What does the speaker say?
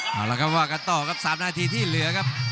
เอาละครับว่ากันต่อครับ๓นาทีที่เหลือครับ